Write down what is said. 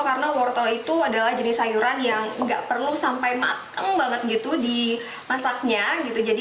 kalau itu adalah jenis sayuran yang enggak perlu sampai mateng banget gitu di masaknya gitu jadi